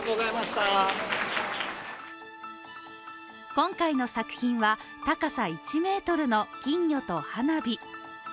今回の作品は高さ１ｍの金魚と花火。